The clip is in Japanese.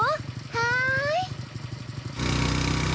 はい。